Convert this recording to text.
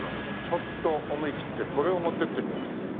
ちょっと思い切ってこれを持っていってみよう。